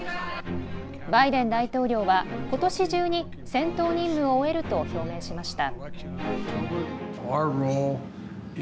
バイデン大統領はことし中に戦闘任務を終えると表明しました。